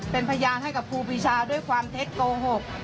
เป็นพยานให้กับครูปีชาด้วยความเท็จโกหก